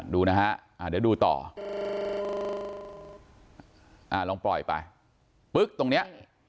ดูนะคะเดี๋ยวดูต่อลองปล่อยไปตรงนี้